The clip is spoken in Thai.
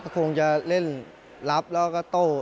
คงจะเล่นรับแล้วก็โต้